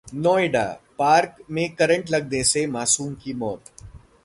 Noida: park में current लगने से मासूम की मौत